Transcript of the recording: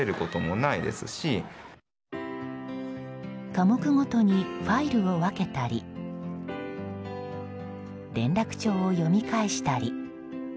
科目ごとにファイルを分けたり連絡帳を読み返したり。